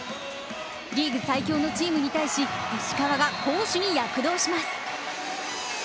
リーグ最強のチームに対し、石川が攻守に躍動します。